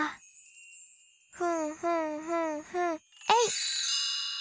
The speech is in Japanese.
ふんふんふんふんえいっ！